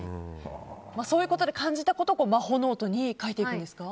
そういうことで感じたことをマホノートに書いていくんですか？